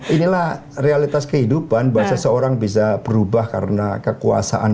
inilah realitas kehidupan bahwa seseorang bisa berubah karena kekuasaan